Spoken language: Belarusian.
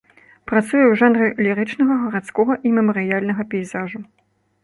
Працуе ў жанры лірычнага, гарадскога і мемарыяльнага пейзажу.